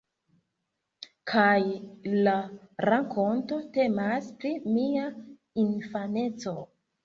Kaj la rakonto temas pri mia infaneco.